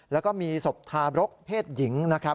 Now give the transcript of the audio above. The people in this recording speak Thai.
แล้วก็มีศพทารกเพศหญิง